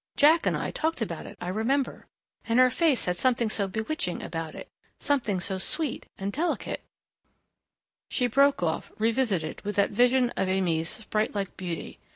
Jack and I talked about it, I remember. And her face had something so bewitching about it, something so sweet and delicate " She broke off revisited with that vision of Aimée's sprite like beauty....